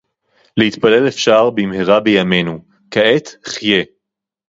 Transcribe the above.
להתפלל אפשר במהרה בימינו, כעת חיה